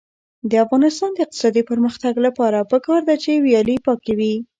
د افغانستان د اقتصادي پرمختګ لپاره پکار ده چې ویالې پاکې وي.